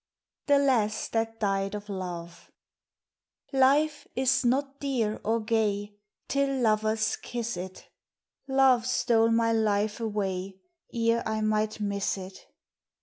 THE LASS THAT DIED OF LOVE LIFE is not dear or gay Till lovers kiss it, Love stole my life away Ere I might miss it.